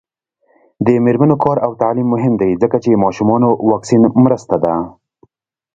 د میرمنو کار او تعلیم مهم دی ځکه چې ماشومانو واکسین مرسته ده.